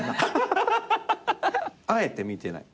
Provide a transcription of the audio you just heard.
あえて見てない？